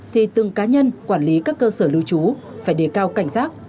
thì từng cá nhân quản lý các cơ sở lưu trú phải đề cao cảnh giác